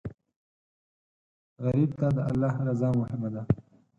غریب ته د الله رضا مهمه ده